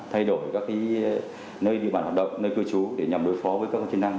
thay đổi các nơi địa bàn hoạt động nơi cư trú để nhằm đối phó với các chức năng